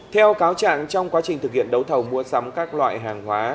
theo cáo trạng trong quá trình thực hiện đấu thầu mua sắm các loại hàng hóa